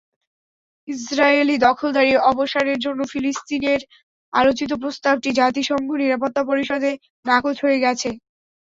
Israeli দখলদারি অবসানের জন্য ফিলিস্তিনের আলোচিত প্রস্তাবটি জাতিসংঘ নিরাপত্তা পরিষদে নাকচ হয়ে গেছে।